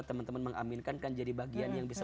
teman teman mengaminkan kan jadi bagian yang bisa